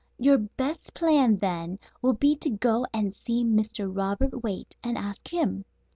"Your best plan, then, will be to go and see Mr. Robert Waite and ask him.